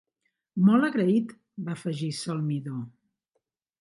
"Molt agraït!", va afegir Sol mi do.